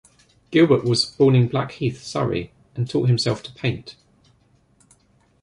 Gilbert was born in Blackheath, Surrey, and taught himself to paint.